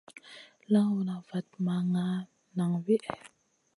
Lawna vat ma nʼgaana nang wihè.